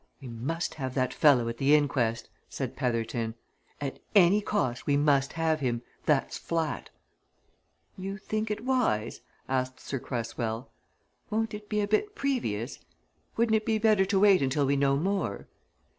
"We must have that fellow at the inquest," said Petherton. "At any cost we must have him! That's flat!" "You think it wise?" asked Sir Cresswell. "Won't it be a bit previous? Wouldn't it be better to wait until we know more?"